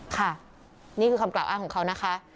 ค่ะนี่คือคำกล่าวอ้างของเขานะคะ